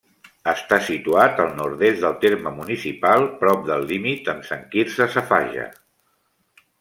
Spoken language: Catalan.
Està situat al nord-est del terme municipal, prop del límit amb Sant Quirze Safaja.